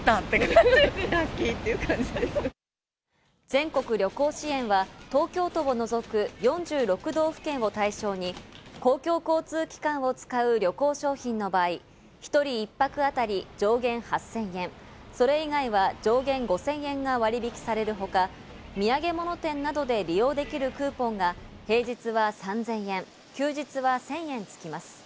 全国旅行支援は東京都を除く４６道府県を対象に公共交通機関を使う旅行商品の場合、１人一泊あたり上限８０００円、それ以外は上限５０００円が割引されるほか、土産物店などで利用できるクーポンが平日は３０００円、休日は１０００円つきます。